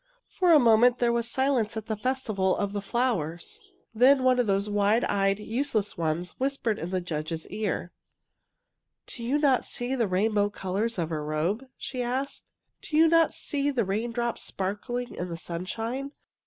For a moment there was silence at the festi val of the flowers. Then one of those wide eyed, useless ones whispered in the judge's ear: '^ Do you not see the rainbow colours of her robe? '' she asked. '^ Do you not see the rain drops sparkling in the sunshine?